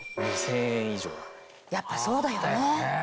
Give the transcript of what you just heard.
やっぱそうだよね。